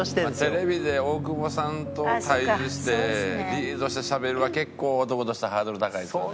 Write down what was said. テレビで大久保さんと対峙してリードしてしゃべるは結構男としてハードル高いですよね。